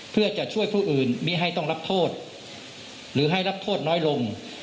เพื่อจะช่วยผู้อื่นไม่ให้ต้องรับโทษหรือให้รับโทษน้อยลง